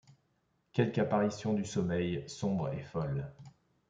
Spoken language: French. Quelque apparition du sommeil, sombre et folle